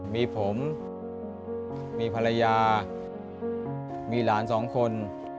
มีผมมีภรรยามีหลานสองคน